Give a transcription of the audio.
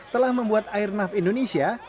telah membuat airnaf indonesia